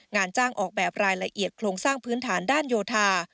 งานจ้างออกแบบรายละเอียดโครงสร้างพื้นฐานด้านโยธา